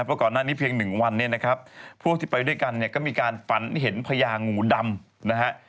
เพราะก่อนหน้านี้เพียงหนึ่งวันเนี่ยนะครับพวกที่ไปด้วยกันเนี่ยก็มีการฝันเห็นพญางูดำนะฮะ